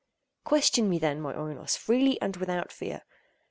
Question me then, my Oinos, freely and without fear.